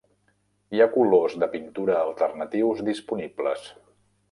Hi ha colors de pintura alternatius disponibles.